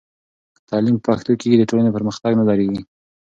که تعلیم په پښتو کېږي، د ټولنې پرمختګ نه درېږي.